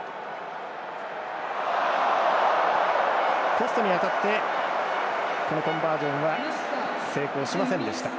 ポストに当たってこのコンバージョンは成功しませんでした。